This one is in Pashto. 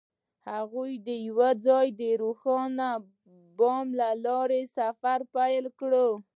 هغوی یوځای د روښانه بام له لارې سفر پیل کړ.